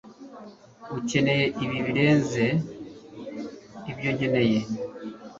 Ukeneye ibi birenze ibyo nkeneye